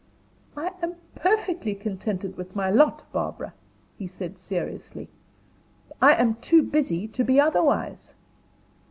"I am perfectly contented with my lot, Barbara," he seriously said. "I am too busy to be otherwise."